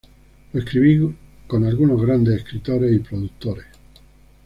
Lo escribí con algunos grandes escritores y productores.